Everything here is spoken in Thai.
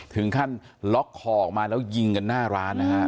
ถึงขั้นล็อกคอออกมาแล้วยิงกันหน้าร้านนะฮะ